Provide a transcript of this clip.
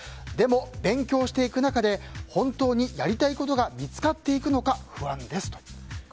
でも勉強していく中で本当にやりたいことが見つかっていくのか不安ですと。